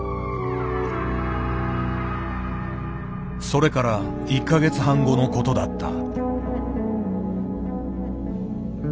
それから１か月半後のことだった。